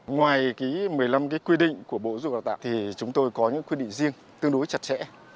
ngoài một mươi năm quy định của bộ dụng đạo tạng thì chúng tôi có những quy định riêng tương đối chặt chẽ